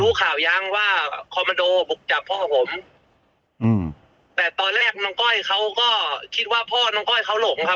รู้ข่าวยังว่าคอมมันโดบุกจับพ่อผมอืมแต่ตอนแรกน้องก้อยเขาก็คิดว่าพ่อน้องก้อยเขาหลงครับ